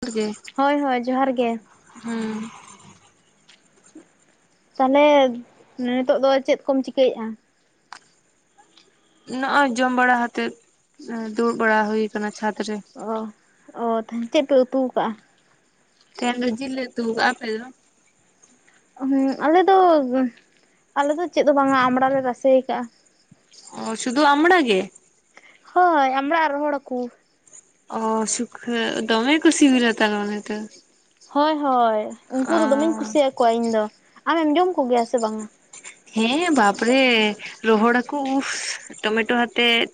[unintelligible] ᱦᱚᱭ ᱦᱚᱭ ᱡᱚᱦᱟᱨ ᱜᱮ᱾ ᱦᱩᱸ ᱛᱟᱦᱟᱞᱮ ᱱᱤᱛᱚᱜ ᱫᱚ ᱪᱮᱫ ᱠᱚᱢ ᱪᱤᱠᱟᱹᱭᱮᱜ-ᱟ? ᱱᱚᱜᱚᱭ ᱡᱚᱢ ᱵᱟᱲᱟ ᱦᱟᱛᱮᱫ ᱫᱩᱲᱩᱵ ᱵᱟᱲᱟ ᱦᱩᱭ ᱠᱟᱱᱟ ᱪᱷᱟᱫᱽ ᱨᱮ ᱾ ᱚ ᱾ ᱛᱟᱦᱮ ᱪᱮᱫ ᱯᱮ ᱩᱛᱩ ᱟᱠᱟᱜᱼᱟ? ᱛᱮᱦᱮᱧ ᱫᱚ ᱡᱤᱞ ᱞᱮ ᱩᱛᱩ ᱟᱠᱟᱫᱟ ᱟᱯᱮ ᱫᱚ? ᱦᱮ ᱟᱞᱮ ᱫᱚ ᱟᱞᱮ ᱫᱚ ᱪᱮᱫ ᱫᱚ ᱵᱟᱝᱟ ᱟᱢᱲᱟ ᱞᱮ ᱨᱟᱥᱮ ᱟᱠᱟᱟᱜᱼᱟ ᱾ ᱚ ᱥᱩᱫᱩ ᱟᱢᱲᱟ ᱜᱮ? ᱦᱳᱭ ᱟᱢᱲᱟ ᱟᱨ ᱨᱚᱦᱚᱲ ᱦᱟᱠᱩ᱾ ᱚ ᱥᱩᱠᱷᱟᱹ ᱫᱚᱢᱮ ᱠᱚ ᱥᱤᱵᱤᱞᱟ ᱛᱟᱨ ᱢᱟᱱᱮ ᱛᱚ ᱾ ᱦᱳᱭ ᱦᱳᱭ ᱩᱱᱠᱩ ᱫᱚ ᱫᱚᱢᱮᱧ ᱠᱩᱥᱤ ᱭᱟᱠᱚᱣᱟ ᱤᱧ ᱫᱚ ᱟᱢᱮᱢ ᱡᱚᱢ ᱠᱚᱜᱮᱭᱟ ᱥᱮ ᱵᱟᱝᱜ? ᱦᱮᱸ ᱵᱟᱯᱨᱮ ᱨᱚᱦᱚᱲ ᱦᱟᱠᱚ ᱩᱦ ᱴᱚᱢᱮᱴᱳ ᱦᱟᱛᱮᱫ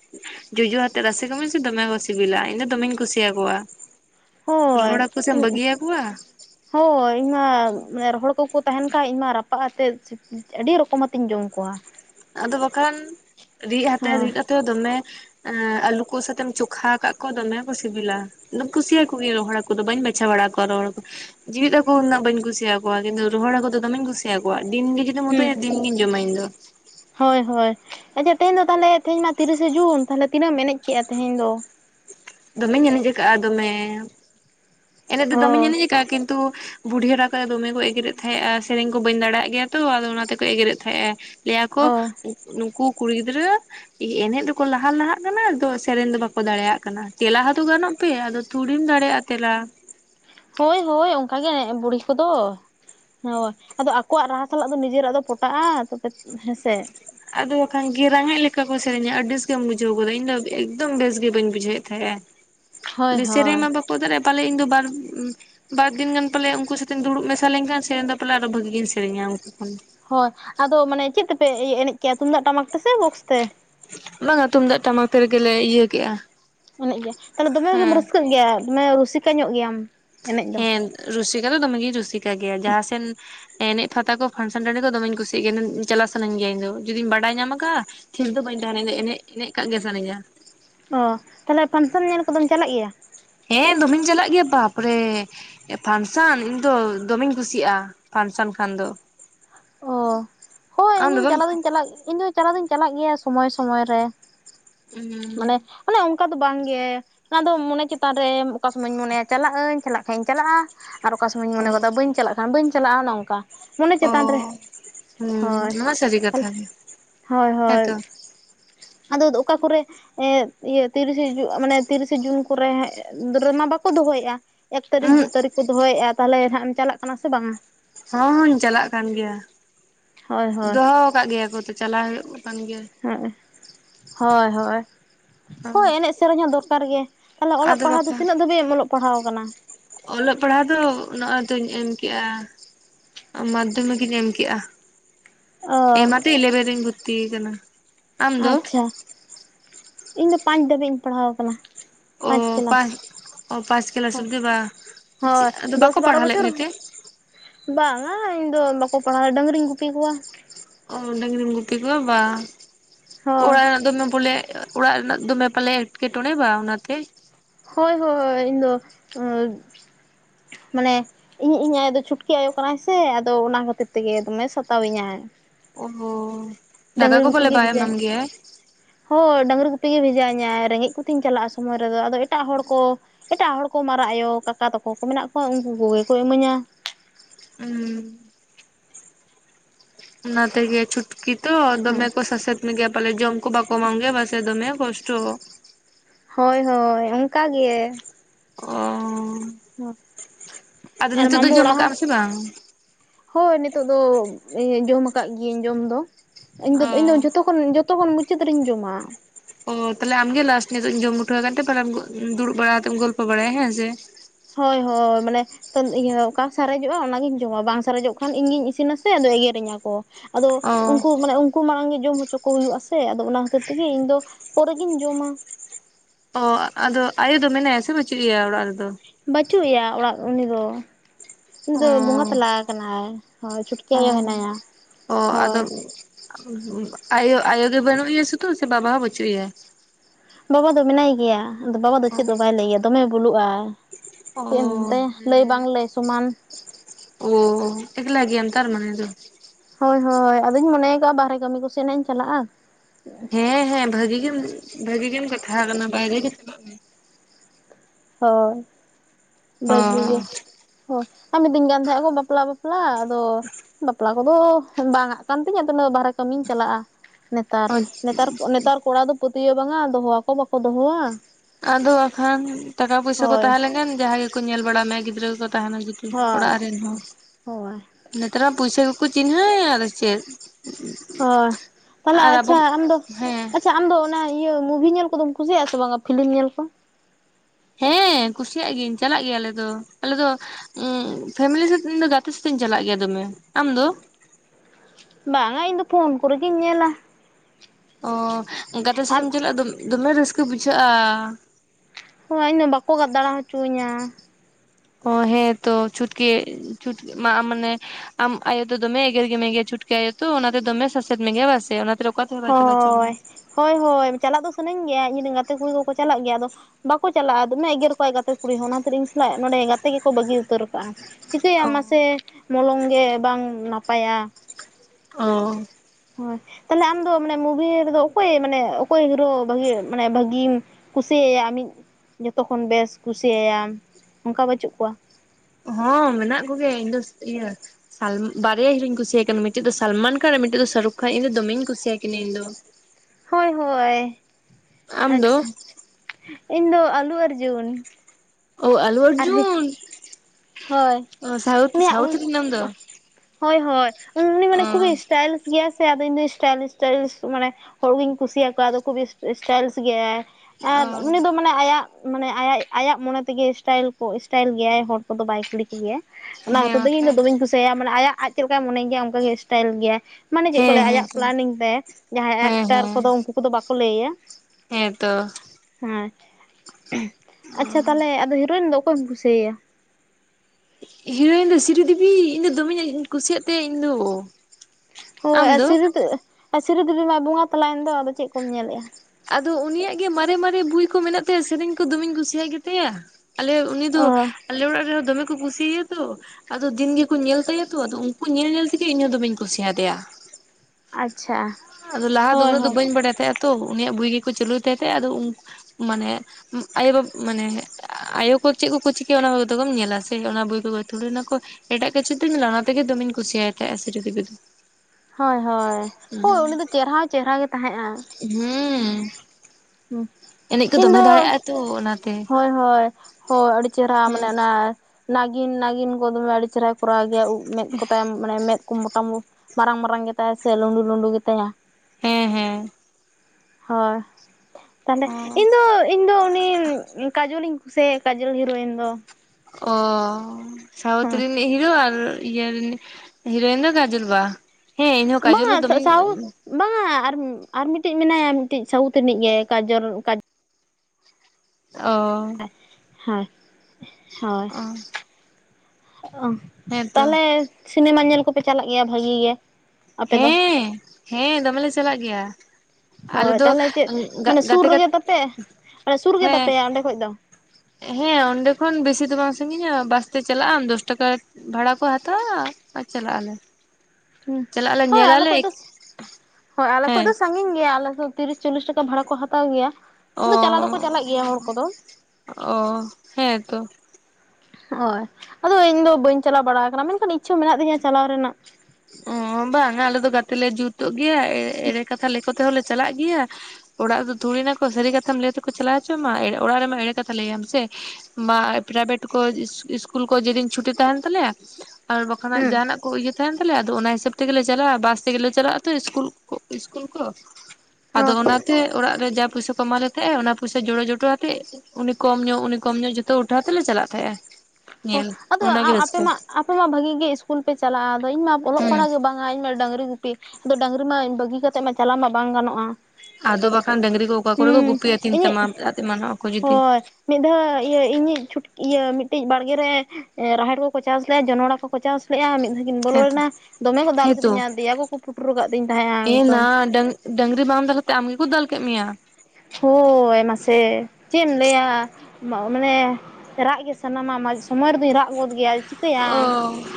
ᱡᱚᱡᱩ ᱟᱛᱮᱫ ᱨᱟᱥᱮ ᱠᱚᱢᱮᱥᱮ ᱫᱚᱢᱮ ᱠᱚ ᱥᱤᱵᱤᱞᱟ ᱤᱧ ᱫᱚᱢᱮᱧ ᱠᱩᱥᱤᱭᱟᱠᱚᱣᱟ ᱾ ᱦᱳᱭ ᱨᱚᱦᱚᱲ ᱦᱟᱹᱠᱩ ᱥᱮᱢ ᱵᱟᱹᱜᱤ ᱭᱟᱠᱚᱣᱟ ᱦᱳᱭ ᱤᱧᱢᱟ ᱨᱚᱦᱚᱲ ᱦᱟᱠᱳ ᱠᱚ ᱛᱟᱦᱮᱱ ᱠᱷᱟᱱ ᱤᱧᱢᱟ ᱨᱟᱯᱟᱜ ᱟᱛᱮᱫ ᱟᱹᱰᱤ ᱨᱚᱠᱚᱢ ᱟᱛᱮᱧ ᱡᱚᱢ ᱠᱚᱣᱟ᱾ ᱟᱫᱚ ᱵᱟᱠᱷᱟᱱ ᱨᱤᱫ ᱟᱛᱮ ᱦᱳᱭ ᱨᱤᱫ ᱟᱛᱮ ᱦᱚᱸ ᱫᱚᱢᱮ ᱟᱞᱩ ᱠᱚ ᱥᱟᱛᱮᱢ ᱪᱚᱠᱷᱟ ᱟᱠᱟᱫ ᱠᱚ ᱫᱚᱢᱮ ᱠᱚ ᱥᱤᱵᱤᱞᱟ ᱾ ᱠᱩᱥᱤᱭᱟᱠᱚ ᱜᱮᱭᱤᱧ ᱨᱚᱦᱚᱲ ᱦᱟᱹᱠᱩ ᱠᱚᱫᱚ ᱵᱟᱹᱧ ᱵᱟᱪᱷᱟ ᱵᱟᱲᱟ ᱠᱚᱣᱟ ᱨᱚᱲ ᱠᱟᱹᱠᱩ ᱾ ᱡᱤᱣᱮᱫ ᱦᱟᱹᱠᱩ ᱩᱱᱟᱹᱜ ᱵᱟᱹᱧ ᱠᱩᱥᱤᱭᱟᱠᱚᱣᱟ ᱠᱤᱱᱛᱩ ᱨᱚᱦᱚᱲ ᱦᱟᱹᱠᱩ ᱫᱚᱢᱮᱧ ᱠᱩᱥᱤᱭᱟᱠᱚᱣᱟ ᱫᱤᱱ ᱜᱮ ᱡᱩᱫᱤ ᱫᱤᱱᱮᱢ ᱦᱩᱸ ᱩᱛᱩᱭᱟ ᱫᱤᱱ ᱜᱤᱧ ᱡᱚᱢᱟ ᱤᱧ ᱫᱚ ᱦᱳᱭ ᱦᱳᱭ ᱛᱮᱦᱮᱧ ᱛᱟᱦᱚᱞᱮ ᱛᱮᱦᱮᱧ ᱢᱟ ᱛᱤᱨᱤᱥᱮ ᱡᱩᱱ ᱛᱟᱦᱞᱮ ᱛᱤᱱᱟᱹᱜ ᱮᱢ ᱮᱱᱮᱡ ᱠᱮᱫᱟ ᱛᱮᱦᱮᱧ ᱫᱚ? ᱫᱚᱢᱮᱧ ᱮᱱᱮᱡ ᱠᱟᱜᱟ ᱫᱚᱢᱮ ᱾ ᱮᱱᱮᱡ ᱫᱚ ᱫᱚᱢᱮᱧ ᱚ ᱮᱱᱮᱡ ᱠᱟᱜ-ᱟ ᱠᱤᱱᱛᱩ ᱵᱩᱰᱷᱤ ᱮᱨᱟ ᱠᱚ ᱫᱚᱢᱮ ᱠᱚ ᱮᱜᱮᱨᱮᱫ ᱛᱟᱦᱮᱸᱜ-ᱟ ᱾ ᱥᱮᱨᱮᱧ ᱠᱚ ᱵᱟᱹᱧ ᱫᱟᱲᱮᱭᱟᱜ ᱜᱮᱭᱟ ᱛᱚ ᱟᱫᱚ ᱚᱱᱟ ᱛᱮᱠᱚ ᱮᱜᱮᱨᱮᱫ ᱛᱟᱦᱮᱸᱜ ᱾ ᱞᱮᱭᱟ ᱠᱚ ᱚ ᱱᱩᱠᱩ ᱠᱩᱲᱤ ᱜᱤᱫᱽᱨᱟᱹ ᱮᱱᱮᱡ ᱫᱚᱠᱚ ᱞᱟᱦᱟ ᱞᱟᱦᱟᱜ ᱠᱟᱱᱟ ᱟᱫᱚ ᱥᱮᱨᱮᱧ ᱫᱚ ᱵᱟᱠᱚ ᱫᱟᱲᱮᱭᱟᱜ ᱠᱟᱱᱟ ᱾ ᱛᱮᱞᱟ ᱦᱚᱸᱛᱚ ᱜᱟᱱᱚᱜ ᱯᱮ ᱟᱫᱚ ᱛᱩᱲᱤᱢ ᱫᱟᱲᱮᱭᱟᱜᱼᱟ ᱛᱮᱞᱟ ᱾ ᱦᱳᱭ ᱦᱳᱭ ᱚᱱᱠᱟ ᱜᱮ ᱵᱩᱲᱦᱤ ᱠᱚᱫᱚ ᱾ ᱦᱳᱭ ᱟᱫᱚ ᱟᱠᱚᱣᱟᱜ ᱨᱟᱦᱟ ᱥᱟᱞᱟᱜ ᱫᱚ ᱱᱤᱡᱮᱨᱟᱜ ᱫᱚ ᱯᱚᱴᱟᱜ-ᱟ ᱛᱚᱵᱮ ᱦᱮᱸ ᱥᱮ? ᱟᱫᱚ ᱵᱟᱠᱷᱟᱱ ᱜᱮᱨᱟᱝᱮᱜ ᱞᱮᱠᱟ ᱠᱚ ᱥᱮᱨᱮᱧ ᱟ ᱟᱹᱰᱤᱥ ᱜᱮᱢ ᱵᱩᱡᱷᱟᱹᱣ ᱜᱚᱫᱟ ᱤᱧ ᱫᱚ ᱮᱠᱫᱚᱢ ᱵᱮᱥ ᱜᱮ ᱵᱟᱹᱧ ᱵᱩᱡᱷᱟᱹᱣᱮᱫ ᱛᱟᱦᱮᱸᱜᱼᱟ ᱾ [inaudible] ᱥᱮᱨᱮᱧ ᱦᱳᱭ ᱢᱟ ᱵᱟᱠᱚ ᱫᱟᱲᱮᱭᱟᱜ-ᱟ ᱯᱟᱞᱮ ᱤᱧ ᱫᱚ ᱵᱟᱨ ᱵᱟᱨ ᱫᱤᱱ ᱜᱟᱱ ᱯᱟᱞᱮ ᱩᱱᱠᱩ ᱥᱟᱛᱮ ᱫᱩᱲᱩᱵ ᱢᱮᱥᱟ ᱞᱮᱱᱠᱷᱟᱱ ᱥᱮ ᱫᱚ ᱯᱟᱞᱮ ᱟᱨᱚ ᱵᱷᱟᱜᱤ ᱜᱮᱢ ᱥᱮᱨᱮᱧᱟ ᱩᱱᱠᱩ ᱠᱷᱚᱱ ᱫᱚ ᱾ ᱦᱳᱭ ᱟᱫᱚ ᱢᱟᱱᱮ ᱪᱮᱫ ᱛᱮᱯᱮ ᱮᱱᱮᱡ ᱠᱮᱭᱟ ᱛᱩᱢᱫᱟᱜ ᱴᱟᱢᱟᱠ ᱛᱮ ᱥᱮ ᱵᱚᱠᱥ ᱛᱮ? ᱵᱟᱝᱟ ᱛᱩᱢᱫᱟᱜ ᱴᱟᱢᱟᱠ ᱛᱮᱜᱮᱞᱮ ᱤᱭᱟᱹ ᱠᱮᱜ-ᱟ᱾ ᱮᱱᱮ ᱜᱮᱭᱟ ᱛᱟᱦᱞᱮ ᱫᱚᱢᱮ ᱜᱮᱢ ᱨᱟᱹᱥᱠᱟᱹᱜ ᱜᱮᱭᱟ ᱫᱚᱢᱮ ᱨᱩᱥᱤᱠᱟ ᱧᱚᱜᱚᱜ ᱜᱮᱭᱟᱢ? ᱮᱱᱮᱡ ᱫᱚ ᱦᱮᱸ ᱨᱩᱥᱤᱠᱟ ᱫᱚ ᱫᱚᱢᱮᱜᱤ ᱨᱩᱥᱤᱠᱟ ᱜᱮᱭᱟ ᱡᱟᱦᱟᱸ ᱥᱮᱱ ᱮᱱᱮᱡ ᱯᱷᱟᱛᱟ ᱠᱚ ᱯᱷᱟᱱᱥᱮᱱ ᱴᱟᱸᱹᱰᱤ ᱠᱚ ᱫᱚᱢᱮᱧ ᱠᱩᱥᱤᱭᱟᱜ ᱜᱮᱭᱟ ᱪᱟᱞᱟᱜ ᱥᱟᱱᱟᱧ ᱜᱮᱭᱟ ᱤᱧ ᱫᱚ ᱡᱩᱫᱤᱧ ᱵᱟᱰᱟᱭ ᱧᱟᱢ ᱟᱠᱟᱜᱼᱟ ᱛᱷᱤᱨ ᱫᱚ ᱵᱟᱹᱧ ᱛᱟᱦᱮᱱᱟ ᱮᱱᱮᱡ ᱮᱱᱮᱡ ᱠᱟᱜ ᱜᱮ ᱥᱟᱱᱟᱧᱟ ᱚ ᱛᱟᱦᱚᱞᱮ ᱯᱷᱟᱱᱥᱮᱱ ᱧᱮᱞ ᱠᱚᱫᱚᱢ ᱪᱟᱞᱟᱜ ᱜᱮᱭᱟ ᱦᱮᱸ ᱫᱚᱢᱮᱧ ᱪᱟᱞᱟᱜ ᱜᱮᱭᱟ ᱛᱟᱯᱚᱨᱮ ᱯᱷᱟᱱᱥᱳᱱ ᱤᱧ ᱫᱚ ᱫᱚᱢᱮᱧ ᱠᱩᱥᱤᱭᱟᱜᱼᱟ ᱯᱷᱟᱱᱥᱳᱱ ᱠᱷᱟᱱ ᱫᱚ ᱚ ᱦᱳᱭ ᱟᱢ ᱤᱧ ᱫᱚ ᱦᱚᱸ ᱵᱟᱢ ᱪᱟᱞᱟᱣ ᱫᱩᱧ ᱪᱟᱞᱟᱜ ᱤᱧ ᱪᱟᱞᱟᱣ ᱫᱩᱧ ᱪᱟᱞᱟᱜ ᱜᱮᱭᱟ ᱥᱚᱢᱚᱭ ᱥᱚᱢᱚᱭ ᱨᱮ ᱢᱟᱱᱮ ᱚᱱᱮ ᱚᱱᱠᱟ ᱫᱚ ᱵᱟᱝᱜᱮ ᱚᱱᱟᱫᱚ ᱢᱚᱱᱮ ᱪᱮᱛᱟᱱ ᱨᱮ ᱚᱠᱟ ᱥᱚᱢᱚᱭᱚᱧ ᱢᱚᱱᱮᱭᱟ ᱪᱟᱞᱟᱜ ᱟᱹᱧ ᱪᱟᱞᱟᱜ ᱠᱷᱟᱱ ᱤᱧ ᱪᱟᱞᱟᱜᱼᱟ ᱟᱨ ᱚᱠᱟ ᱥᱚᱢᱚᱭ ᱤᱧ ᱢᱚᱱᱮ ᱜᱚᱫᱟ ᱵᱟᱹᱧ ᱪᱟᱞᱟᱜ ᱠᱷᱟᱱ ᱵᱟᱹᱧ ᱪᱟᱞᱟᱜᱼᱟ ᱚᱱᱮ ᱚᱱᱠᱟ ᱢᱚᱱᱮ ᱚ ᱪᱮᱛᱟᱱ ᱨᱮ ᱦᱩᱸ ᱦᱳᱭ ᱱᱚᱣᱟ ᱥᱟᱹᱨᱤ ᱠᱟᱛᱷᱟ ᱛᱟᱦᱞᱮ ᱜᱮ ᱦᱳᱭ ᱦᱳᱭ ᱦᱮᱸᱛᱚ ᱟᱫᱚ ᱚᱠᱟ ᱠᱚᱨᱮ ᱮᱫ ᱤᱭᱟᱹ ᱛᱤᱨᱤᱥᱟ ᱢᱟᱱᱮ ᱛᱤᱨᱤᱥᱟ ᱡᱩᱱ ᱠᱚᱨᱮ ᱨᱮᱢᱟ ᱵᱟᱠᱚ ᱫᱚᱦᱚᱭᱮᱜ-ᱟ ᱮᱠ ᱛᱟᱹᱨᱤᱠᱷ ᱩᱸ ᱫᱩ ᱛᱟᱹᱨᱤᱠᱷ ᱠᱚ ᱫᱚᱦᱚᱭᱮᱜᱟ ᱛᱟᱦᱚᱞᱮ ᱱᱟᱦᱟᱜ ᱮᱢ ᱪᱟᱞᱟᱜ ᱠᱟᱱᱟ ᱥᱮ ᱵᱟᱝ ᱟ? ᱦᱚ ᱦᱚᱸᱧ ᱪᱟᱞᱟᱜ ᱠᱟᱱ ᱜᱮᱭᱟ ᱦᱳᱭ ᱦᱳᱭ ᱫᱚᱦᱚ ᱟᱠᱟᱫ ᱜᱮᱭᱟ ᱠᱚ ᱪᱟᱞᱟᱣ ᱦᱩᱭᱩᱜ ᱠᱟᱱ ᱜᱮᱭᱟᱭ ᱦᱮᱸ ᱦᱚᱭ ᱦᱚᱭ ᱦᱳᱭ ᱮᱱᱮᱡ-ᱥᱮᱨᱮᱧ ᱦᱚᱸ ᱫᱚᱨᱠᱟᱨ ᱜᱮ ᱛᱟᱦᱚᱞᱮ ᱚᱞᱚᱜ ᱟᱫᱚ ᱯᱟᱲᱦᱟᱜ ᱫᱚ ᱵᱟᱠᱷᱟᱱ ᱛᱤᱱᱟᱹᱜ ᱫᱷᱟᱹᱤᱡ ᱮᱢ ᱚᱞᱚᱜ ᱯᱟᱲᱦᱟᱣ ᱟᱠᱟᱱᱟ ᱚᱞᱚᱜ ᱯᱟᱲᱦᱟᱜ ᱫᱚ ᱱᱚᱜᱚᱭ ᱛᱚᱧ ᱮᱢ ᱠᱮᱜᱼᱟ ᱢᱟᱫᱽᱫᱷᱚᱢᱤᱠ ᱤᱧ ᱮᱢ ᱠᱮᱼᱟ ᱚ ᱮᱢᱟᱛᱮ ᱤᱞᱮᱵᱷᱮᱱ ᱨᱤᱧ ᱵᱷᱚᱨᱛᱤ ᱟᱠᱟᱱᱟ ᱟᱢ ᱫᱚ ᱟᱪᱪᱷᱟ ᱤᱧ ᱫᱚ ᱯᱟᱸᱪ ᱫᱷᱟᱹᱵᱤᱡ ᱤᱧ ᱯᱟᱲᱦᱟᱣ ᱟᱠᱟᱱᱟ ᱚᱻ ᱯᱟᱸᱪ ᱯᱚᱸᱪ ᱠᱮᱞᱟᱥ ᱯᱟᱥ ᱠᱮᱞᱟᱥ ᱦᱳᱭ ᱚᱵᱫᱤ ᱵᱟ ᱦᱳᱭ ᱟᱫᱚ ᱫᱚᱥ ᱵᱟᱠᱚ ᱵᱟᱨᱚ ᱯᱟᱲᱦᱟᱣ ᱞᱮᱫ ᱵᱚᱪᱷᱚᱨ ᱢᱮᱛᱮ ᱵᱟᱝᱟ-ᱟ ᱤᱧ ᱫᱚ ᱵᱟᱠᱚ ᱯᱟᱲᱦᱟᱣ ᱰᱟᱹᱝᱨᱤᱧ ᱜᱩᱯᱤ ᱠᱚᱣᱟ ᱚ ᱰᱟᱝᱨᱤ ᱜᱩᱯᱤ ᱠᱚ ᱵᱟ ᱦᱳᱭ ᱚᱲᱟᱜ ᱨᱮᱱᱟᱜ ᱫᱚᱢᱮ ᱵᱚᱞᱮ ᱚᱲᱟᱜ ᱨᱮᱱᱟᱜ ᱫᱚᱢᱮ ᱯᱟᱞᱮ ᱮᱴᱠᱮᱴᱚᱬᱮ ᱵᱟᱝ ᱚᱱᱟᱛᱮ ᱦᱳᱭ ᱦᱳᱭ ᱤᱧ ᱫᱚ ᱢᱟᱱᱮ ᱤᱧ ᱤᱧ ᱟᱭᱚ ᱫᱚ ᱪᱷᱩᱴᱠᱤ ᱟᱭᱳ ᱠᱟᱱᱟᱭ ᱥᱮ ᱟᱫᱚ ᱚᱱᱟ ᱠᱷᱟᱹᱛᱤᱨ ᱛᱮᱜᱮ ᱫᱚᱢᱮ ᱥᱟᱛᱟᱣᱤᱧᱟᱭ ᱚ ᱫᱟᱠᱟ ᱰᱟᱹᱝᱨᱤ ᱠᱚ ᱜᱩᱯᱤ ᱵᱚᱞᱮ ᱜᱮ ᱵᱟᱭ ᱵᱷᱮᱡᱟᱭ ᱮᱢᱟᱢ ᱜᱮᱭᱟ ᱦᱳᱭ ᱰᱟᱹᱝᱨᱤ ᱜᱩᱯᱤ ᱜᱮ ᱵᱷᱮᱡᱟᱣᱤᱧᱟᱹ ᱨᱮᱸᱜᱮᱡ ᱠᱚᱛᱮᱧ ᱪᱟᱞᱟᱜᱼᱟ ᱥᱚᱢᱚᱭ ᱨᱮᱫᱚ ᱟᱫᱚ ᱮᱴᱟᱜ ᱦᱚᱲ ᱠᱚ ᱮᱴᱟᱜ ᱦᱚᱲ ᱠᱚ ᱢᱟᱨᱟᱜ ᱟᱭᱳ ᱠᱟᱠᱟ ᱛᱟᱠᱚ ᱠᱚ ᱢᱮᱱᱟᱜ ᱠᱚᱣᱟ ᱩᱱᱠᱩ ᱠᱚᱜᱮ ᱠᱚ ᱤᱢᱟᱹᱧᱟ ᱦᱩᱸ ᱚᱱᱟᱛᱮᱜᱮ ᱪᱷᱩᱴᱠᱤ ᱛᱚ ᱦᱳᱭ ᱫᱚᱢᱮ ᱠᱚ ᱥᱟᱥᱮᱛ ᱢᱮ ᱜᱮᱭᱟ ᱯᱟᱞᱮ ᱡᱚᱢ ᱠᱩ ᱵᱟᱠᱚ ᱮᱢᱟᱢ ᱜᱮᱭᱟ ᱵᱟᱥᱮ ᱫᱚᱢᱮ ᱠᱚᱥᱴᱚ ᱦᱳᱭ ᱦᱳᱭ ᱚᱱᱠᱟ ᱜᱮ ᱚ ᱟᱫᱚ ᱟᱨ ᱱᱤᱛᱳᱜ ᱫᱚ ᱢᱟᱢᱩ ᱡᱚᱢ ᱚᱲᱟᱜ ᱟᱠᱟᱫ ᱦᱚᱸ ᱟᱢ ᱥᱮ ᱵᱟᱝ ᱦᱳᱭ ᱱᱤᱛᱚᱜ ᱫᱚ ᱡᱚᱢ ᱟᱠᱟᱫ ᱜᱤᱭᱟᱹᱧ ᱡᱚᱢ ᱫᱚ ᱤᱧᱫᱚ ᱚ ᱤᱧᱫᱚ ᱡᱷᱚᱛᱚ ᱠᱷᱚᱱ ᱡᱚᱛᱚᱠᱷᱚᱱ ᱢᱩᱪᱟᱹᱫ ᱨᱤᱧ ᱡᱚᱢᱟ ᱚ ᱛᱟᱦᱚᱞᱮ ᱟᱢ ᱜᱮ ᱞᱟᱥᱴ ᱱᱤᱛᱚᱜ ᱤᱧ ᱡᱚᱢᱴᱟᱹᱣᱟᱛᱮᱢ ᱫᱩᱲᱩᱵ ᱵᱟᱲᱟ ᱠᱟᱛᱮ ᱜᱚᱞᱯᱚ ᱵᱟᱲᱟᱭᱟ ᱦᱮᱸ ᱥᱮ ᱦᱳᱭ ᱦᱳᱭ ᱢᱟᱱᱮ ᱛᱚ ᱤᱭᱟᱹ ᱚᱠᱟ ᱥᱟᱨᱮᱡᱚᱜᱼᱟ ᱚᱱᱟᱜᱤᱧ ᱡᱚᱢᱟ ᱵᱟᱝ ᱥᱟᱨᱮᱡᱚᱜ ᱠᱷᱟᱱ ᱤᱧᱜᱤᱧ ᱤᱥᱤᱱᱟᱥᱮ ᱟᱫᱚ ᱮᱜᱮᱨ ᱤᱧᱟ ᱠᱚ ᱚ ᱟᱫᱚ ᱚ ᱩᱱᱠᱩ ᱢᱟᱱᱮ ᱩᱱᱠᱩ ᱩᱱᱠᱩ ᱢᱟᱲᱟᱝ ᱜᱮ ᱡᱚᱢ ᱦᱚᱪᱚ ᱠᱚ ᱦᱩᱭᱩᱜᱼᱟ ᱥᱮ ᱟᱫᱚ ᱚᱱᱟ ᱠᱷᱟᱛᱤᱨ ᱛᱮᱜᱮ ᱤᱧ ᱫᱚ ᱯᱚᱨᱮᱜ ᱜᱤᱧ ᱡᱚᱢᱟ ᱚ ᱟᱫᱚ ᱟᱭᱳ ᱫᱚ ᱢᱮᱱᱟᱭᱟ ᱥᱮ ᱵᱟᱹᱪᱩᱜ ᱜᱮᱭᱟ ᱚᱲᱟᱜ ᱨᱮᱫᱚ ᱵᱟᱹᱪᱩᱜ ᱮᱭᱟ ᱚᱲᱟᱜ ᱩᱱᱤ ᱫᱚ ᱩᱱᱤ ᱚ ᱫᱚ ᱵᱚᱸᱜᱟ ᱛᱟᱞᱟ ᱟᱠᱟᱱᱟᱭ ᱦᱳᱭ ᱪᱷᱩᱴᱠᱤ ᱚ ᱟᱭᱳ ᱢᱮᱱᱟᱭᱟ ᱚ ᱦᱳᱭ ᱟᱫᱚ ᱟᱭᱳ ᱟᱭᱳ ᱜᱮ ᱵᱟᱹᱱᱩᱜᱭᱟ ᱥᱩᱫᱩ ᱥᱮ ᱵᱟᱵᱟ ᱦᱚᱸ ᱵᱟᱹᱪᱩᱜᱮᱭᱟ ᱵᱟᱵᱟ ᱫᱚ ᱢᱮᱱᱟᱭ ᱜᱮᱭᱟ ᱟᱫᱚ ᱵᱟᱵᱟ ᱫᱚ ᱪᱮᱫ ᱫᱚ ᱵᱟᱭ ᱞᱟᱹᱭᱟ ᱫᱚᱢᱮ ᱵᱩᱞᱩᱜᱼᱟᱭ ᱚ ᱪᱮᱫ ᱮᱢ ᱢᱮᱛᱟᱭᱟ ᱞᱟᱹᱭ ᱵᱟᱝ ᱞᱟᱹᱭ ᱥᱚᱢᱟᱱ ᱳ ᱮᱠᱞᱟ ᱜᱮᱭᱟᱢ ᱛᱟᱨ ᱢᱟᱱᱮ ᱫᱚ ᱦᱳᱭ ᱦᱳᱭ ᱟᱫᱚᱧ ᱢᱚᱱᱮᱭ ᱟᱠᱟᱜᱼᱟ ᱵᱟᱦᱟᱨᱮ ᱠᱟᱹᱢᱤ ᱠᱚᱥᱮᱫ ᱤᱧ ᱪᱟᱞᱟᱜᱼᱟ ᱦᱮᱸ ᱦᱮᱸ ᱵᱷᱟᱜᱤ ᱜᱮᱢ ᱵᱷᱟᱜᱤ ᱜᱮᱢ ᱠᱟᱛᱷᱟ ᱟᱠᱟᱱᱟ ᱵᱟᱭᱨᱮ ᱪᱟᱞᱟᱜ ᱢᱮ ᱦᱳᱭ ᱵᱷᱟᱹᱜᱤ ᱜᱮ ᱾ ᱦᱳᱭ ᱟᱨ ᱢᱤᱛᱟᱹᱧ ᱠᱟᱱ ᱛᱟᱦᱮᱸᱜ ᱠᱚ ᱵᱟᱯᱞᱟ ᱵᱟᱯᱞᱟ ᱟᱫᱚ ᱵᱟᱯᱞᱟ ᱠᱚᱫᱚ ᱵᱟᱝ ᱟᱜ ᱠᱟᱱ ᱛᱤᱧ ᱩᱱᱟᱹᱜ ᱵᱟᱦᱟᱨᱮ ᱠᱟᱹᱢᱤᱧ ᱪᱟᱞᱟᱜᱼᱟ ᱱᱮᱛᱟᱨ ᱚ ᱱᱮᱛᱟᱨ ᱱᱮᱛᱟᱨ ᱠᱚᱲᱟ ᱫᱚ ᱯᱟᱹᱛᱤᱭᱟᱹᱣ ᱵᱟᱝᱟ ᱫᱚᱦᱚᱣᱟᱠᱚ ᱵᱟᱠᱚ ᱫᱚᱦᱚᱣᱟ ᱟᱫᱚ ᱵᱟᱠᱷᱟᱱ ᱴᱟᱠᱟ ᱯᱚᱭᱥᱟᱹ ᱠᱚ ᱦᱳᱭ ᱛᱟᱦᱮᱸ ᱞᱮᱱᱠᱷᱟᱱ ᱡᱟᱦᱟᱸᱭ ᱜᱮᱠᱚ ᱧᱮᱞ ᱵᱟᱲ ᱢᱮ ᱜᱤᱫᱽᱨᱟᱹ ᱠᱚ ᱛᱟᱦᱮᱱᱟ ᱡᱩᱫᱤ ᱦᱳᱭ ᱚᱲᱟᱜ ᱨᱮᱱ ᱦᱚᱸ ᱦᱳᱭ ᱱᱮᱛᱟᱨ ᱢᱟ ᱯᱩᱭᱥᱟᱹ ᱜᱮᱠᱚ ᱪᱤᱱᱦᱟᱹᱣᱮᱫ ᱟᱫ ᱪᱮᱫ ᱦᱚᱭ ᱛᱟᱦᱚᱞᱮ ᱟᱨ ᱟᱵᱚ ᱟᱪᱪᱷᱟ ᱟᱢ ᱫᱚ ᱦᱮᱸ ᱟᱪᱪᱷᱟ ᱟᱢ ᱫᱚ ᱚᱱᱟ ᱤᱭᱟᱹ ᱢᱩᱵᱷᱤ ᱧᱮᱞ ᱠᱚᱫᱚᱢ ᱠᱩᱥᱤᱭᱟᱜᱼᱟ ᱥᱮ ᱵᱟᱝᱟ ᱯᱷᱤᱞᱤᱢ ᱧᱮᱞ ᱠᱚ? ᱦᱮᱸ ᱠᱩᱥᱤᱭᱟᱜ ᱜᱤᱭᱟᱹᱧ ᱪᱟᱞᱟᱜ ᱜᱮᱭᱟ ᱟᱞᱮ ᱫᱚ ᱟᱞᱮ ᱫᱚ ᱩ ᱯᱷᱮᱢᱮᱞᱤ ᱥᱟᱛᱮ ᱤᱧ ᱫᱚ ᱜᱟᱛᱮ ᱥᱟᱛᱮ ᱤᱧ ᱪᱟᱞᱟᱜ ᱜᱮᱭᱟ ᱫᱚᱢᱮ ᱟᱢ ᱫᱚ ᱵᱟᱝᱟ ᱤᱧ ᱫᱚ ᱯᱷᱳᱱ ᱠᱚᱨᱮᱜᱤᱧ ᱧᱮᱞᱟ ᱚ ᱜᱟᱛᱮ ᱟᱢ ᱥᱟᱜᱛᱮᱢ ᱪᱟᱞᱟᱜ ᱫᱚᱢᱮ ᱨᱟᱹᱥᱠᱟᱹ ᱵᱩᱡᱷᱟᱹᱜᱼᱟ ᱦᱚᱸ ᱤᱧᱫᱚ ᱵᱟᱠᱚ ᱫᱟᱲᱟ ᱦᱚᱪᱚ-ᱟᱧᱟ ᱚ ᱦᱮᱸ ᱛᱚ ᱪᱷᱩᱴᱠᱤ ᱪᱷᱩᱴᱠᱤ ᱢᱟ ᱢᱟᱱᱮ ᱟᱢ ᱟᱭᱳ ᱫᱚ ᱫᱚᱢᱮ ᱮᱜᱮᱨ ᱜᱮ ᱢᱮᱜᱮᱭᱟᱭ ᱪᱷᱩᱴᱠᱤ ᱟᱭᱳ ᱛᱚ ᱚᱱᱟᱛᱮ ᱫᱚᱢᱮ ᱥᱟᱥᱮᱛ ᱢᱮᱜᱟᱭ ᱵᱟᱥᱮ ᱚᱱᱟᱛᱮ ᱚᱠᱟ ᱛᱮᱦᱚᱸ ᱵᱟᱭ ᱪᱟᱞᱟᱣ ᱦᱚᱪᱚᱣᱟᱢᱟ ᱦᱳᱭ ᱦᱳᱭ ᱦᱳᱭ ᱪᱟᱞᱟᱜ ᱫᱚ ᱥᱟᱱᱟᱧ ᱜᱮᱭᱟ ᱤᱧᱨᱮᱱ ᱜᱟᱛᱮ ᱠᱩᱲᱤ ᱠᱚᱠᱚ ᱪᱟᱞᱟᱜ ᱜᱮᱭᱟ ᱟᱫᱚ ᱵᱟᱠᱚ ᱪᱟᱞᱟᱜᱼᱟ ᱫᱚᱢᱮ ᱮᱜᱮᱨ ᱠᱚᱣᱟᱭ ᱜᱟᱛᱮ ᱠᱩᱲᱤ ᱦᱚᱸ ᱚᱱᱟᱛᱮᱤᱧ ᱥᱟᱞᱟᱜ ᱱᱚᱸᱰᱮ ᱜᱟᱛᱮ ᱜᱮᱠᱚ ᱵᱟᱹᱜᱤ ᱩᱛᱟᱹᱨ ᱠᱟᱜᱼᱟ ᱾ ᱪᱤᱠᱟᱹᱭᱟᱢ ᱚ ᱢᱟᱥᱮ ᱢᱚᱞᱚᱝ ᱜᱮ ᱵᱟᱝ ᱱᱟᱯᱟᱭᱟ ᱳ ᱦᱳᱭ ᱛᱟᱦᱞᱮ ᱟᱢ ᱫᱚ ᱢᱟᱱᱮ ᱢᱩᱵᱷᱤ ᱨᱮᱫᱚ ᱚᱠᱚᱭ ᱢᱟᱱᱮ ᱚᱠᱚᱭ ᱦᱤᱨᱳ ᱵᱷᱟᱜᱤ ᱢᱟᱱᱮ ᱵᱷᱟᱹᱜᱤᱢ ᱠᱩᱥᱤᱭᱟᱭᱟᱢ ᱟᱢᱤᱡ ᱡᱚᱛᱚ ᱠᱷᱚᱱ ᱵᱮᱥ ᱠᱩᱥᱤᱭᱟᱭᱟᱢ ᱚᱱᱠᱟ ᱵᱟᱹᱪᱩᱜ ᱠᱚᱣᱟ ᱾ ᱦᱚᱸ ᱢᱮᱱᱟᱜ ᱠᱚᱜᱮᱭᱟ ᱤᱧᱫᱚ ᱤᱭᱟᱹ ᱥᱟᱞ ᱵᱟᱨᱭᱟᱦᱤᱨᱳᱧ ᱠᱩᱥᱤᱭᱟᱠᱤᱱ ᱠᱟᱱᱟ ᱢᱤᱫᱴᱮᱱ ᱫᱚ ᱥᱟᱞᱢᱟᱱ ᱠᱷᱟᱱ ᱟᱨ ᱢᱤᱫᱴᱮᱡ ᱫᱚ ᱥᱟᱨᱩᱠ ᱠᱷᱟᱱ ᱤᱧ ᱫᱚᱢᱮᱧ ᱠᱩᱥᱤᱭᱟᱠᱤᱱᱟ ᱤᱧ ᱫᱚ ᱦᱳᱭ ᱦᱳᱭ ᱟᱢ ᱫᱚ ᱟᱪᱪᱷᱟ ᱤᱧ ᱫᱚ ᱟᱞᱩ ᱟᱨᱡᱩᱱ ᱳ ᱟᱞᱩ ᱟᱨ ᱚᱨᱡᱩᱱ ᱦᱳᱭ ᱥᱟᱣᱩᱛ ᱥᱟᱣᱩᱛᱷ ᱩᱱᱤᱭᱟᱜ ᱨᱮᱱ ᱟᱢ ᱫᱚ ᱦᱳᱭ ᱦᱳᱭ ᱤᱧ ᱩᱱᱤ ᱚ ᱢᱟᱱᱮ ᱠᱷᱩᱵᱮ ᱤᱥᱴᱟᱭᱞᱤᱥ ᱜᱮ ᱥᱮ ᱟᱫᱚᱤᱧ ᱫᱚ ᱤᱥᱴᱟᱭᱞᱤᱥ ᱤᱥᱴᱟᱭᱞᱤᱥ ᱢᱟᱱᱮ ᱦᱚᱲᱜᱤᱧ ᱠᱩᱥᱤᱭᱟᱠᱚᱣᱟ ᱟᱫᱚ ᱠᱷᱩᱵᱮ ᱤᱥᱴᱟᱭᱞᱤᱥ ᱜᱮᱭᱟᱭ ᱚ ᱟᱨ ᱩᱱᱤ ᱫᱚ ᱢᱟᱱᱮ ᱟᱭᱟᱜ ᱢᱟᱱᱮ ᱟᱭᱟᱜ ᱢᱚᱱᱮ ᱛᱮᱜᱮ ᱤᱥᱴᱟᱭᱞᱤᱥ ᱠᱚ ᱤᱥᱴᱟᱭᱤᱞ ᱜᱮᱭᱟᱭ ᱦᱚᱲ ᱫᱚ ᱵᱟᱭ ᱠᱤᱲᱤ ᱠᱚᱜᱮᱭᱟ ᱚᱱᱟ ᱦᱮᱸ ᱠᱷᱚᱛᱤᱨ ᱤᱧ ᱫᱟ ᱵᱟᱠᱷᱟᱡ ᱫᱚᱢᱮᱧ ᱠᱩᱥᱤᱭᱟᱜᱼᱟ ᱛᱟᱭᱟ ᱢᱟᱱᱮ ᱟᱭᱟᱜ ᱟᱡ ᱪᱮᱫ ᱞᱮᱠᱟᱭ ᱢᱚᱱᱮᱭ ᱜᱮᱭᱟ ᱚᱱᱠᱟᱜ ᱤᱥᱴᱟᱭᱤᱞ ᱜᱮᱭᱟ ᱢᱟᱱᱮ ᱪᱮᱫ ᱠᱚ ᱦᱮᱸ ᱞᱟᱹᱭᱟ ᱦᱮᱸ ᱟᱭᱟᱜ ᱛᱚ ᱯᱞᱮᱱᱤᱝ ᱛᱮ ᱡᱟᱦᱟᱸᱭ ᱦᱮᱸ ᱮᱠᱴᱟᱨ ᱠᱚᱫᱚ ᱩᱱᱠᱩ ᱠᱚᱫᱚ ᱵᱟᱠᱚ ᱞᱟᱹᱭᱟᱭᱟ ᱦᱮᱸᱛᱚ ᱟᱪᱪᱷᱟ ᱟᱪᱪᱷᱟ ᱛᱟᱦᱞᱮ ᱟᱫᱚ ᱦᱤᱨᱳᱭᱤᱱ ᱫᱚ ᱚᱠᱚᱭᱮᱢ ᱠᱩᱥᱤᱭᱟᱭᱟ ᱦᱤᱨᱳᱭᱤᱱ ᱫᱚ ᱥᱤᱨᱤ ᱫᱮᱵᱤ ᱤᱧ ᱫᱚ ᱫᱚᱢᱮᱧ ᱠᱩᱥᱤᱭᱟᱜ ᱛᱟᱦᱮᱸ ᱤᱧᱫᱚ ᱦᱳᱭ ᱥᱤᱨᱤ ᱥᱤᱨᱤᱫᱮᱵᱤ ᱢᱟᱭ ᱵᱚᱸᱜᱟ ᱛᱟᱞᱟᱭᱮᱱ ᱫᱚ ᱟᱫᱚ ᱪᱮᱫ ᱠᱚᱢ ᱧᱮᱞᱮᱫᱼᱟ ᱟᱫᱚ ᱩᱱᱤᱭᱟᱜ ᱜᱮ ᱢᱟᱨᱮ ᱢᱟᱨᱮ ᱵᱩᱭ ᱠᱚ ᱢᱮᱱᱟᱜ ᱛᱟᱭᱟ ᱥᱮᱨᱮᱧ ᱠᱚ ᱫᱚᱢᱮᱧ ᱠᱩᱥᱤᱭᱟᱜ ᱜᱮᱛᱟᱭᱟ ᱟᱞᱮ ᱩᱱᱤ ᱫᱚ ᱚ ᱟᱞᱮ ᱚᱲᱟᱜ ᱨᱮᱦᱚᱸ ᱫᱚᱢᱮ ᱠᱚ ᱠᱩᱥᱤᱟᱭᱟ ᱛᱚ ᱟᱫᱚ ᱫᱤᱱ ᱜᱮᱠᱚ ᱧᱮᱞ ᱛᱟᱭᱟ ᱛᱚ, ᱟᱫᱚ ᱩᱱᱠᱩ ᱧᱮᱞ ᱧᱮᱞ ᱛᱮᱜᱮ ᱤᱧᱦᱚ ᱫᱚᱢᱮᱧ ᱠᱩᱥᱤᱭᱟᱫᱮᱭᱟ ᱾ ᱟᱪᱪᱷᱟ ᱟᱫᱚ ᱞᱟᱦᱟ ᱫᱚ ᱦᱳᱭ ᱩᱱᱟᱹᱜ ᱫᱚ ᱦᱳᱭ ᱵᱟᱹᱧ ᱵᱟᱲᱟᱭ ᱛᱟᱦᱮᱸᱜᱼᱟ ᱛᱚ ᱩᱱᱤᱭᱟᱜ ᱵᱩᱭ ᱜᱮᱠᱚ ᱪᱟᱹᱞᱩᱭ ᱛᱟᱦᱮᱸ ᱛᱟᱦᱮᱸᱜ ᱟᱫᱚ ᱢᱟᱱᱮ ᱟᱭᱳᱵᱟᱵᱟ ᱢᱟᱱᱮ ᱟᱭᱳ ᱠᱚ ᱪᱮᱫ ᱠᱚᱠᱚ ᱪᱤᱠᱟᱹᱭᱟ, ᱚᱱᱟ ᱡᱷᱚᱛᱚ ᱜᱮᱢ ᱧᱮᱞᱟ ᱥᱮ ᱚᱱᱟ ᱵᱩᱭ ᱠᱚᱜᱮ ᱛᱷᱩᱲᱤ ᱱᱟᱜ ᱠᱚ ᱮᱴᱟᱜ ᱠᱤᱪᱷᱩ ᱛᱤᱧ ᱞᱟᱦᱟ ᱛᱮᱜᱮ ᱫᱚᱢᱮᱧ ᱠᱩᱥᱤᱭᱟᱭ ᱛᱟᱦᱮᱸᱜᱼᱟ ᱥᱤᱨᱤᱫᱮᱵᱤ ᱫᱚ ᱦᱳᱭ ᱦᱳᱭ ᱦᱳᱭ ᱩᱱᱤᱫᱚ ᱪᱮᱨᱦᱟ ᱪᱮᱨᱦᱟ ᱜᱮ ᱛᱟᱦᱮᱸᱫᱼᱟ ᱾ ᱦᱩᱸ ᱮᱱᱮᱡ ᱠᱚ ᱤᱧ ᱫᱚᱢᱮ ᱫᱚ ᱫᱟᱲᱮᱭᱟᱜᱼᱟ, ᱛᱚ ᱚᱱᱟ, ᱦᱳᱭ ᱦᱳᱭ ᱦᱳᱭ ᱟᱹᱰᱤ ᱪᱮᱦᱨᱟ ᱢᱟᱱᱮ ᱦᱮᱸ ᱚᱱᱟ, ᱱᱟᱜᱤᱱ ᱱᱟᱜᱤᱱ ᱠᱚ ᱫᱚᱢᱮ ᱟᱹᱰᱤ ᱪᱮᱦᱨᱟᱭ ᱠᱚᱨᱟᱣ ᱜᱮᱭᱟ ᱩᱵ ᱢᱮᱫ ᱠᱚ ᱛᱟᱭ ᱢᱟᱱᱮ ᱢᱮᱫ ᱠᱚ ᱢᱚ ᱴᱟ ᱢᱟᱨᱟᱝ ᱢᱟᱨᱟᱝ ᱜᱮᱛᱟᱭᱟ ᱥᱮ, ᱞᱩᱸᱰᱩ ᱞᱩᱸᱰᱩ ᱜᱮᱛᱟᱭᱟ ᱾ ᱦᱮᱸ ᱦᱮᱸ ᱦᱳᱭ ᱛᱟᱞᱦᱮ ᱤᱧ ᱫᱚ ᱚ ᱤᱧ ᱫᱚ ᱩᱱᱤ ᱠᱟᱡᱚᱞᱤᱧ ᱠᱩᱥᱤᱭᱟᱭᱟ ᱠᱟᱡᱚᱞ ᱦᱤᱨᱳᱭᱤᱱ ᱫᱚ᱾ ᱚ ᱥᱟᱣᱩᱛ ᱦᱳᱭ ᱨᱤᱱᱤᱜ ᱦᱤᱨᱳ ᱟᱨ ᱤᱭᱟᱹ ᱦᱤᱨᱳᱭᱤᱱ ᱫᱚ ᱠᱟᱡᱚᱞ ᱵᱟ ᱦᱮᱸ ᱤᱧᱦᱚᱸ ᱠᱟᱡᱚᱞ ᱵᱟᱝᱟ ᱫᱚ ᱫᱚᱢᱮᱧ ᱥᱟᱦᱩ ᱵᱟᱝᱟ ᱟᱨ ᱟᱨ ᱢᱤᱫᱴᱤᱡ ᱢᱮᱱᱟᱭᱟ ᱢᱤᱫᱴᱤᱡ ᱥᱟᱹᱣᱩᱛ ᱨᱤᱱᱤᱡ ᱜᱮ ᱠᱟᱡᱚᱞ ᱠᱟᱡ ᱚᱻ ᱦᱳᱭ ᱦᱳᱭ ᱚ ᱚᱦ ᱦᱮᱸᱛᱚ ᱛᱟᱦᱞᱮ ᱥᱤᱱᱮᱢᱟ ᱧᱮᱞ ᱠᱚᱯᱮ ᱪᱟᱞᱟᱜ ᱜᱮᱭᱟ ᱵᱷᱟᱹᱜᱤ ᱜᱮ? ᱟᱯᱮ ᱫᱚ ᱦᱮᱸ ᱦᱮᱸ ᱫᱚᱢᱮᱞᱮ ᱪᱟᱞᱟᱜ ᱜᱮᱭᱟ᱾ ᱟᱞᱮ ᱦᱳᱭ ᱫᱚ ᱛᱟᱦᱚᱞᱮ ᱪᱮᱫ ᱜᱟᱜ ᱢᱟᱱᱮ ᱥᱩᱨ ᱜᱟᱛᱮ ᱜᱟᱛᱮ ᱨᱮᱜᱮ ᱛᱟᱯᱮ ᱢᱟᱱᱮ ᱥᱩᱨ ᱜᱮ ᱦᱮᱸ ᱛᱟᱯᱮᱭᱟ ᱚᱸᱰᱮ ᱠᱷᱚᱡ ᱫᱚ ᱦᱮᱸ ᱚᱸᱰᱮ ᱠᱷᱚᱱ ᱵᱮᱥᱤ ᱫᱚ ᱵᱟᱝ ᱥᱟᱺᱜᱤᱧᱟ ᱵᱟᱥ ᱛᱮ ᱪᱟᱞᱟᱜ ᱟᱢ ᱫᱚᱥ ᱴᱟᱠᱟ ᱵᱷᱟᱲᱟ ᱠᱚ ᱦᱟᱛᱟᱣᱟ ᱟᱨ ᱪᱟᱞᱟᱜ ᱟᱞᱮ ᱮᱸ ᱦᱳᱭ ᱟᱞᱮ ᱠᱷᱚᱡ ᱫᱚ ᱦᱳᱭ ᱟᱞᱮ ᱠᱷᱚᱡ ᱦᱮᱸ ᱫᱚ ᱥᱟᱺᱜᱤᱧ ᱜᱮᱭᱟ᱾ ᱟᱞᱮ ᱫᱚ ᱛᱤᱨᱤᱥ ᱪᱚᱞᱞᱤᱥ ᱴᱟᱠᱟ ᱵᱷᱟᱲᱟ ᱠᱚ ᱦᱟᱛᱟᱣ ᱜᱮᱭᱟ᱾ ᱚᱻ ᱟᱫᱚ ᱪᱟᱞᱟᱣ ᱫᱚᱠᱚ ᱪᱟᱞᱟᱜ ᱜᱮᱭᱟ ᱦᱚᱲ ᱠᱚᱫᱚ ᱚ ᱦᱮᱸ ᱛᱚ ᱦᱳᱭ ᱟᱫᱚ ᱤᱧ ᱫᱚ ᱵᱟᱹᱧ ᱪᱟᱞᱟᱣ ᱵᱟᱲᱟ ᱟᱠᱟᱱᱟ, ᱢᱮᱱᱠᱷᱟᱱ ᱤᱪᱪᱷᱟᱹ ᱢᱮᱱᱟᱜ ᱛᱤᱧᱟᱹ ᱪᱟᱞᱟᱣ ᱨᱮᱱᱟᱜ᱾ ᱚ ᱵᱟᱝ ᱟᱞᱮ ᱫᱚ ᱜᱟᱛᱮ ᱞᱮ ᱡᱩᱛᱚᱜ ᱜᱮᱭᱟ ᱮᱲᱮ ᱠᱟᱛᱷᱟ ᱞᱟᱹᱭ ᱠᱚᱛᱮ ᱦᱚᱸᱞᱮ ᱪᱟᱞᱟᱜ ᱜᱮᱭᱟ ᱚᱲᱟᱜ ᱨᱮᱫᱚ ᱛᱷᱩᱲᱮᱱᱟᱠᱚ ᱥᱟᱹᱨᱤ ᱠᱟᱛᱷᱟᱢ ᱞᱟᱹᱭ ᱛᱮᱠᱚ ᱪᱟᱞᱟᱣ ᱦᱚᱪᱚ ᱢᱟ, ᱚᱲᱟᱜ ᱨᱮᱢᱟ ᱮᱲᱮ ᱠᱟᱛᱷᱟ ᱞᱟᱹᱭᱟᱢ ᱥᱮ᱾ ᱵᱟ ᱯᱨᱟᱭᱵᱷᱮᱴ ᱠᱚ ᱤᱥᱠᱩᱞ ᱠᱚ ᱡᱮᱫᱤᱱ ᱪᱷᱩᱴᱤ ᱛᱟᱦᱮᱱ ᱛᱟᱞᱮᱭᱟ ᱟᱨ ᱵᱟᱠᱷᱟᱱᱟᱜ ᱦᱩᱸ ᱡᱟᱦᱟᱱᱟᱜ ᱠᱚ ᱤᱭᱟᱹ ᱛᱟᱦᱮᱱ ᱛᱟᱦᱞᱮ ᱟᱫᱚ ᱚᱱᱟ ᱦᱤᱥᱟᱹᱵ ᱛᱮᱜᱮᱞᱮ ᱪᱟᱞᱟᱜᱼᱟ ᱵᱟᱥ ᱛᱮᱜᱮᱞᱮ ᱪᱟᱞᱟᱜ ᱟᱛᱚ ᱤᱥᱠᱩᱞ ᱤᱥᱠᱩᱞ ᱠᱚ ᱟᱫᱚ ᱦᱳᱭ ᱚᱱᱟᱛᱮ ᱚᱲᱟᱜ ᱨᱮ ᱡᱟ ᱯᱚᱭᱥᱟᱹ ᱠᱚ ᱮᱢᱟᱞᱮ ᱛᱟᱦᱮᱸᱜᱼᱟ ᱚᱱᱟ ᱯᱚᱭᱥᱟᱹ ᱡᱚᱲᱚ ᱡᱚᱴᱚ ᱟᱛᱮᱫ ᱩᱱᱤ ᱠᱚᱢ ᱧᱚᱜ ᱩᱱᱤ ᱠᱚᱢ ᱧᱚᱜ ᱡᱚᱛᱚ ᱩᱴᱷᱟ ᱛᱮᱞᱮ ᱪᱟᱞᱟᱜ ᱛᱟᱦᱮᱸᱜᱼᱟ᱾ ᱚ ᱧᱮᱞ ᱟᱫᱚ ᱚᱱᱟᱜᱮ ᱟᱯᱮ ᱨᱟᱹᱥᱠᱟᱹ ᱢᱟ ᱟᱯᱮ ᱢᱟ ᱵᱷᱟᱜᱤ ᱜᱮ ᱤᱥᱠᱩᱞ ᱯᱮ ᱪᱟᱞᱟᱜᱼᱟ ᱟᱫᱚ ᱤᱧᱢᱟ ᱚᱞᱚᱜ ᱦᱩᱸ ᱯᱟᱲᱦᱟᱜ ᱜᱮ ᱵᱟᱝ ᱤᱧᱢᱟ ᱰᱟᱹᱝᱨᱤ ᱜᱩᱯᱤ ᱟᱫᱚ ᱰᱟᱝᱨᱤ ᱢᱟ ᱵᱟᱹᱜᱤ ᱠᱟᱛᱮ ᱢᱟ ᱪᱟᱞᱟᱣ ᱢᱟ ᱵᱟᱝ ᱜᱟᱱᱚᱜᱼᱟ᱾ ᱟᱫᱚ ᱵᱟᱠᱷᱟᱱ ᱰᱟᱹᱝᱨᱤ ᱠᱚ ᱚᱠᱟ ᱠᱚᱨᱮ ᱠᱚ ᱦᱩᱸ ᱜᱩᱯᱤ ᱟᱹᱛᱤᱧ ᱤᱧᱤᱡ ᱛᱟᱢᱟ ᱟᱫ ᱮᱢᱟᱱᱚᱜ ᱛᱟᱢᱟ ᱠᱚ ᱡᱩᱫᱤ ᱦᱳᱭ ᱢᱤᱫ ᱫᱷᱟᱹᱣ ᱤᱭᱟᱹ ᱤᱧᱤᱡ ᱪᱷᱩᱴ ᱤᱭᱟᱹ ᱢᱤᱫ ᱠᱟᱹᱴᱤᱡ ᱵᱟᱲᱜᱮ ᱨᱮ ᱨᱟᱦᱮᱲ ᱠᱚᱠᱚ ᱪᱟᱥ ᱞᱮᱜᱼᱟ ᱡᱚᱱᱚᱲᱟ ᱠᱚᱠᱚ ᱪᱟᱥ ᱞᱮᱜᱼᱟ ᱢᱤᱫ ᱰᱟᱝᱨᱤ ᱠᱤᱱ ᱵᱚᱞᱚ ᱦᱮᱸᱛᱚ ᱞᱮᱱᱟ ᱫᱚᱢᱮ ᱠᱚ ᱫᱟᱞ ᱦᱮᱸᱛᱚ ᱠᱤᱫᱤᱧᱟ ᱫᱮᱭᱟ ᱠᱚᱠᱚ ᱯᱩᱴᱩᱨ ᱟᱠᱟᱫ ᱛᱤᱧ ᱛᱟᱦᱮᱸᱜᱼᱟ ᱮᱠᱫᱚᱢ᱾ ᱰᱟᱹᱟᱝᱨᱤ ᱵᱟᱝ ᱫᱟᱞ ᱠᱟᱛᱮᱫ ᱟᱢ ᱜᱮᱠᱚ ᱫᱟᱞ ᱠᱮᱫ ᱢᱮᱭᱟ᱾ ᱦᱳᱭ ᱢᱟᱥᱮ ᱪᱮᱫ ᱮᱢ ᱞᱟᱹᱭᱟ ᱢᱟᱱᱮ ᱨᱟᱜ ᱜᱮ ᱥᱟᱱᱟᱢᱟ ᱥᱚᱢᱚᱭ ᱨᱮᱫᱩᱧ ᱨᱟᱜ ᱜᱚᱫ ᱜᱮᱭᱟ᱾ ᱚ ᱪᱤᱠᱟᱭᱟᱢ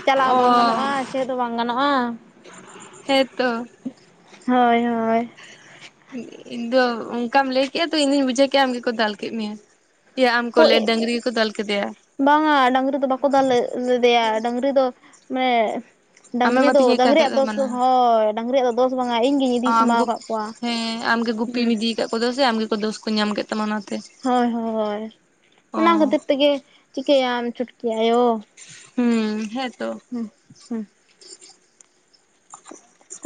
ᱪᱟᱞᱟᱣ ᱚ ᱵᱟᱝ ᱜᱟᱱᱚᱜᱼᱟ᱾ ᱪᱮᱫ ᱦᱚᱸ ᱵᱟᱝ ᱜᱟᱱᱚᱜᱼᱟ᱾ ᱦᱮᱸᱛᱚ ᱦᱳᱭ ᱦᱳᱭ ᱤᱧ ᱫᱚ ᱚᱱᱠᱟᱢ ᱞᱟᱹᱭ ᱠᱮᱜᱼᱟ ᱛᱚ ᱤᱧ ᱫᱩᱧ ᱵᱩᱡᱷᱟᱹᱣ ᱠᱮᱜᱼᱟ, ᱟᱢ ᱜᱮᱠᱚ ᱫᱟᱞ ᱠᱮᱫ ᱢᱮᱭᱟ᱾ ᱟᱢ ᱦᱳᱭ ᱠᱚᱞᱮ ᱰᱟᱹᱝᱨᱤ ᱜᱮᱠᱚ ᱫᱟᱞ ᱠᱮᱫᱮᱭᱟ ᱵᱟᱝᱟ ᱰᱟᱝᱨᱤ ᱫᱚ ᱵᱟᱠᱚ ᱫᱟᱞ ᱞᱮ ᱞᱮᱫᱮᱭᱟ ᱰᱟᱝᱨᱤ ᱫᱚ ᱢᱟᱱᱮ ᱰᱟᱝᱨᱤ ᱟᱢᱮᱢ ᱫᱚ ᱟᱹᱛᱤᱧᱮᱫ ᱠᱟᱱ ᱰᱟᱹᱝᱨᱤᱭᱟᱜ ᱛᱟᱦᱮᱸᱫ ᱫᱚᱥ ᱫᱚ ᱢᱟᱱᱮ ᱦᱳᱭ ᱰᱟᱹᱝᱨᱤᱭᱟᱜ ᱫᱚᱥ ᱫᱚ ᱵᱟᱝᱟ ᱤᱧ ᱜᱤᱧ ᱤᱫᱤ ᱟᱢ ᱥᱟᱢᱵᱟᱣ ᱜᱩᱯ ᱟᱠᱟᱫ ᱠᱚᱣᱟ᱾ ᱦᱮᱸ ᱟᱢᱜᱮ ᱜᱩᱯᱤᱢ ᱦᱩᱸ ᱤᱫᱤ ᱟᱠᱟᱫ ᱠᱚᱫᱚ ᱥᱮ ᱟᱢᱜᱮᱠᱚ ᱫᱳᱥ ᱠᱚ ᱧᱟᱢ ᱠᱮᱫ ᱛᱟᱢᱟ ᱚᱱᱟ ᱦᱳᱭ ᱦᱳᱭ ᱚᱱᱟ ᱠᱷᱟᱹᱛᱤᱨ ᱛᱮᱜᱮ ᱪᱤᱠᱟᱹᱭᱟᱢ ᱪᱷᱩᱴᱠᱤ ᱟᱭᱳ ᱦᱩᱸᱻ ᱦᱮᱸᱛᱚ ᱦᱩᱸᱜ ᱦᱩᱸᱜ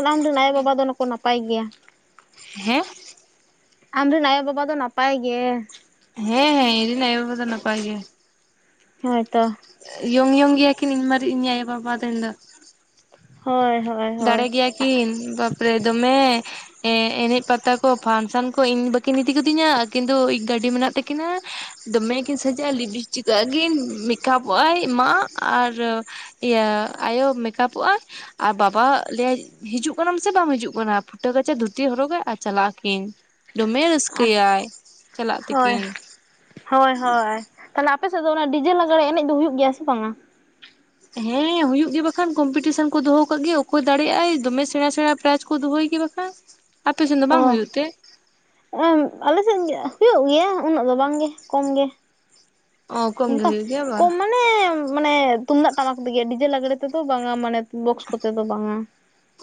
ᱟᱢ ᱨᱤᱱ ᱦᱮᱸ ᱟᱭᱳᱼᱵᱟᱵᱟ ᱫᱚᱠᱚ ᱱᱟᱯᱟᱭ ᱜᱮᱭᱟ᱾ ᱦᱮᱸ ᱟᱢ ᱨᱤᱱ ᱟᱭᱳᱼᱵᱟᱵᱟ ᱫᱚ ᱱᱟᱯᱟᱭ ᱜᱮ ᱦᱮᱸ ᱦᱮᱸ ᱤᱧ ᱨᱤᱱ ᱟᱭᱳᱼᱵᱟᱵᱟ ᱫᱚ ᱱᱟᱯᱟᱭ ᱜᱮ᱾ ᱦᱳᱭᱛᱚ ᱤᱭᱚᱝᱼᱤᱭᱚᱝ ᱜᱮᱭᱟᱠᱤᱱ ᱤᱧ ᱢᱟᱨᱤᱡ ᱤᱧ ᱟᱭᱳᱼᱵᱟᱵᱟ ᱛᱤᱧ ᱫᱚ ᱦᱳᱭ ᱦᱳᱭ ᱦᱳᱭ ᱫᱟᱲᱮ ᱜᱮᱭᱟ ᱠᱤᱱ ᱵᱟᱯᱨᱮ ᱫᱚᱢᱮ ᱮᱸ ᱮᱱᱮᱡ ᱯᱟᱛᱟ ᱠᱚ ᱯᱷᱟᱱᱥᱚᱱ ᱠᱚ ᱤᱧ ᱵᱟᱹᱠᱤᱱ ᱤᱫᱤ ᱜᱚᱫᱤᱧᱟ ᱟᱠᱤᱱ ᱫᱚ ᱜᱟᱹᱰᱤ ᱢᱮᱱᱟᱜ ᱛᱮ ᱠᱤᱱᱟ ᱫᱚᱢᱮ ᱠᱤᱱ ᱥᱟᱡᱟᱜᱼᱟ ᱞᱤᱯᱥᱴᱤᱠᱚᱜ ᱟᱠᱤᱱ ᱢᱮᱠᱟᱯᱚᱜ ᱟᱭ ᱢᱟ ᱟᱨ ᱤᱭᱟᱹ ᱟᱭᱳ ᱢᱮᱠᱟᱯᱚᱜ-ᱟᱭ ᱟᱨ ᱵᱟᱯ ᱵᱟ ᱞᱟᱹᱭᱟᱭ ᱦᱤᱡᱩᱜ ᱠᱟᱱᱟᱢ ᱥᱮ ᱵᱟᱢ ᱦᱤᱡᱩᱜ ᱠᱟᱱᱟ ᱯᱷᱩᱴᱟᱹ ᱜᱟᱪᱷᱟ ᱫᱷᱩᱛᱤ ᱦᱚᱨᱚᱜᱟᱭ ᱟᱨ ᱪᱟᱞᱟᱜᱼᱟᱠᱤᱱ ᱫᱚᱢᱮ ᱨᱟᱹᱥᱠᱟᱹᱭᱟᱭ ᱪᱟᱞᱟᱜ ᱦᱳᱭ ᱛᱮᱠᱤᱱ ᱦᱳᱭ ᱦᱳᱭ ᱛᱟᱦᱚᱞᱮ ᱟᱯᱮ ᱥᱮᱫ ᱫᱚ ᱚᱱᱟ ᱰᱤᱡᱮ ᱞᱟᱜᱽᱬᱮ ᱮᱱᱮᱡ ᱫᱚ ᱦᱩᱭᱩᱜ ᱜᱮᱭᱟ ᱥᱮ ᱵᱟᱝᱟ? ᱦᱮᱸ ᱦᱩᱭᱩᱜ ᱜᱮ ᱵᱟᱠᱷᱟᱱ ᱠᱚᱢᱯᱤᱴᱤᱥᱚᱱ ᱠᱚ ᱫᱚᱦᱚ ᱠᱟᱜ ᱜᱮ ᱚᱠᱚᱭ ᱫᱟᱲᱮᱭᱟᱜ-ᱟᱭ ᱫᱚᱢᱮ ᱥᱮᱬᱟ ᱥᱮᱬᱟ ᱯᱨᱟᱭᱤᱡᱽ ᱠᱚ ᱫᱚᱦᱚᱭ ᱜᱮ ᱵᱟᱠᱷᱟᱱ ᱟᱯᱮ ᱥᱮᱱ ᱫᱚ ᱵᱟᱝ ᱦᱩᱭᱩᱜ ᱛᱮ? [unintelligible] ᱟᱞᱮᱥᱮᱫ ᱦᱩᱭᱩᱜ ᱜᱮᱭᱟ ᱩᱱᱟᱹᱜ ᱫᱚ ᱵᱟᱝᱜᱮ ᱠᱚᱢ ᱜᱮ᱾ ᱚ ᱠᱚᱢ ᱜᱮ ᱚᱱᱠᱟ ᱦᱩᱭᱩᱜ ᱜᱮᱭᱟ ᱵᱟᱝ ᱠᱚᱢ ᱢᱟᱱᱮ ᱢᱟᱱᱮ ᱛᱩᱢᱫᱟᱜ ᱴᱟᱢᱟᱠ ᱛᱮᱜᱮ ᱰᱤᱡᱮ ᱞᱟᱜᱽᱬᱮ ᱛᱮᱫᱚ ᱵᱟᱝᱟ ᱢᱟᱱᱮ ᱵᱚᱠᱥ ᱠᱚᱛᱮ ᱫᱚ ᱵᱟᱝᱟ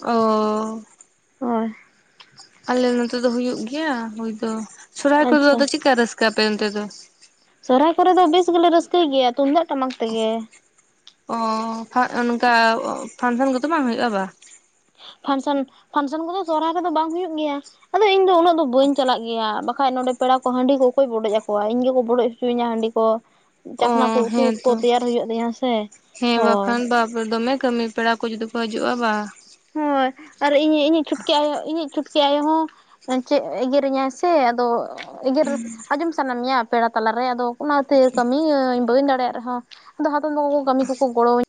ᱚ ᱦᱳᱭ ᱟᱞᱮ ᱱᱚᱛᱮ ᱫᱚ ᱦᱩᱭᱩᱜ ᱜᱮᱭᱟ ᱦᱚᱭ ᱫᱚ ᱥᱚᱨᱦᱟᱭ ᱠᱚᱫᱚ ᱟᱫᱚ ᱟᱪᱪᱷᱟ ᱪᱮᱫᱠᱟ ᱨᱟᱹᱥᱠᱟᱹ ᱟᱯᱮ ᱚᱱᱚᱛᱮ ᱫᱚ ᱥᱚᱨᱦᱟᱭ ᱠᱚᱨᱮ ᱫᱚ ᱵᱮᱥ ᱜᱮᱞᱮ ᱨᱟᱹᱥᱠᱟᱹᱭ ᱜᱮᱭᱟ ᱛᱩᱢᱫᱟᱜ ᱴᱟᱢᱟᱠ ᱛᱮᱜᱮ᱾ ᱚᱻ ᱚᱱᱠᱟ ᱯᱷᱟᱱᱥᱮᱱ ᱠᱚᱫᱚ ᱵᱟᱝ ᱦᱩᱭᱩᱜᱼᱟ ᱵᱟ ᱯᱷᱟᱱᱥᱟᱱ ᱯᱷᱟᱱᱥᱟᱱ ᱠᱚᱫᱚ ᱥᱚᱦᱨᱟᱭ ᱨᱮᱫᱚ ᱵᱟᱝ ᱦᱩᱭᱩᱜ ᱜᱮᱭᱟ ᱟᱫᱚ ᱤᱧ ᱫᱚ ᱩᱱᱟᱹᱜ ᱫᱚ ᱵᱟᱹᱧ ᱪᱟᱞᱟᱜ ᱜᱮᱭᱟ ᱵᱟᱠᱷᱟᱡ ᱱᱚᱸᱰᱮ ᱯᱮᱲᱟ ᱠᱚ ᱦᱟᱺᱰᱤ ᱠᱚ ᱚᱠᱚᱭ ᱵᱚᱰᱚᱡ ᱟᱠᱚᱣᱟ ᱤᱧ ᱜᱮᱠᱚ ᱵᱚᱰᱚᱡ ᱦᱚᱪᱚᱧᱟ ᱦᱟᱺᱰᱤ ᱠᱚ᱾ ᱚ ᱪᱟᱠᱷᱱᱟ ᱠᱚ ᱩᱛᱩ ᱦᱮᱸ ᱠᱚ ᱛᱚ ᱛᱮᱭᱟᱨ ᱦᱩᱭᱩᱜ ᱛᱤᱧᱟᱹ ᱥᱮ ᱦᱮᱸ ᱦᱳᱭ ᱵᱟᱠᱷᱟᱱ ᱫᱚ ᱵᱟᱯᱨᱮ ᱫᱚᱢᱮ ᱠᱟᱹᱢᱤ ᱯᱮᱲᱟ ᱠᱚ ᱡᱩᱫᱤ ᱠᱚ ᱦᱤᱡᱩᱜᱼᱟ ᱵᱟ, ᱦᱳᱭ ᱟᱨ ᱤᱧ ᱤᱧᱤᱡ ᱪᱷᱩᱴᱠᱤ ᱟᱭᱳ ᱤᱧᱤᱡ ᱪᱷᱩᱴᱠᱤ ᱟᱭᱳ ᱦᱚᱸ ᱪᱮᱫ ᱮᱜᱮᱨᱤᱧᱟᱭ ᱥᱮ ᱟᱫᱚ ᱮᱜᱮᱨ ᱟᱸᱡᱚᱢ ᱥᱟᱱᱟ ᱢᱮᱭᱟ ᱯᱮᱲᱟ ᱛᱟᱞᱟᱨᱮ ᱟᱫᱚ ᱚᱱᱟ ᱠᱷᱛᱤᱨ ᱠᱟᱹᱢᱤᱭᱟᱹᱧ ᱵᱟᱹᱧ ᱫᱟᱲᱮᱭᱟᱜ ᱨᱮᱦᱚᱸ ᱟᱫᱚ ᱦᱟᱛᱚᱢ ᱛᱟᱠᱚ ᱫᱚ ᱠᱟᱹᱢᱤ ᱠᱚᱠᱚ ᱜᱚᱲᱚᱣᱟᱹᱧ